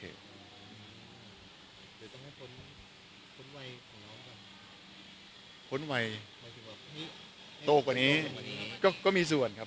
อืมเดี๋ยวต้องให้คนคนวัยของเราคนวัยตัวกว่านี้ก็ก็มีส่วนครับ